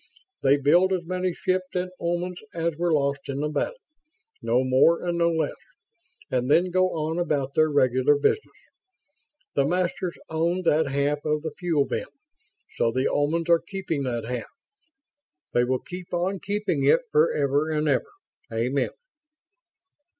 They build as many ships and Omans as were lost in the battle no more and no less and then go on about their regular business. The Masters owned that half of the fuel bin, so the Omans are keeping that half. They will keep on keeping it for ever and ever. Amen."